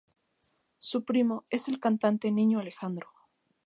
Su primo es el cantante Niño Alejandro.